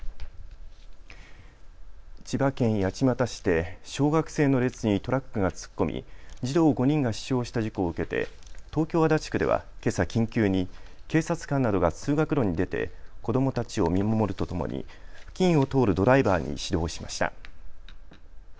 千葉県八街市で小学生の列にトラックが突っ込み児童５人が死傷した事故を受けて東京足立区ではけさ緊急に警察官などが通学路に出て子どもたちを見守るとともに付近を通るドライバーに指導しました。